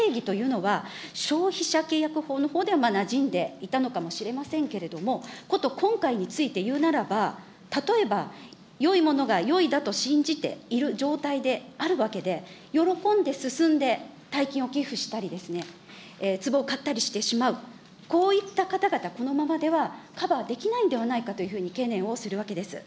この定義というのは、消費者契約法のほうではなじんでいたのかもしれませんけれども、こと今回について言うならば、例えばよいものがよいだと信じている状態であるわけで、喜んで進んで大金を寄付したり、つぼを買ったりしてしまう、こういった方々、このままではカバーできないんではないかというふうに懸念をするわけです。